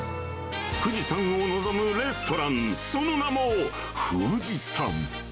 富士山を望むレストラン、その名もふじさん。